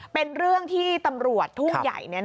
เป็นเรื่องที่ตำรวจทุ่งใหญ่